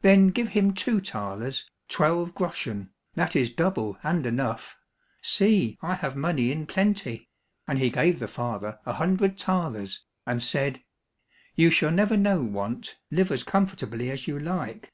"Then give him two thalers, twelve groschen, that is double and enough; see, I have money in plenty," and he gave the father a hundred thalers, and said, "You shall never know want, live as comfortably as you like."